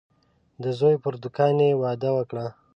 د زوی پر دوکان یې وعده وکړه.